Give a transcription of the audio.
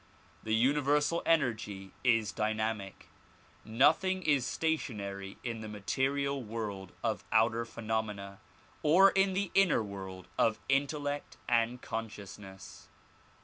The universal energy is dynamic. Nothing is station ary in the material world of outer phenomena or in the inner world of intellect and consciousness.